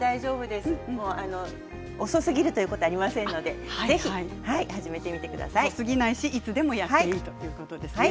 でも遅すぎるということはありませんので遅すぎないしいつでもやっていいということですね。